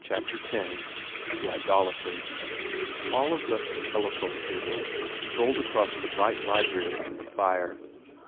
249 X The Idolater OLIVE left the telephone table and strolled across the bright library to the fire.